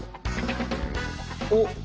おっ！